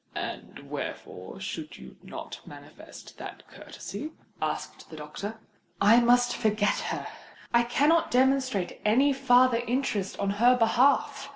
"And wherefore should you not manifest that courtesy?" asked the doctor. "I must forget her—I cannot demonstrate any farther interest in her behalf!"